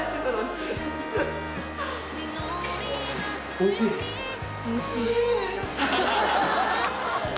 「おいしいやろな」おいしい？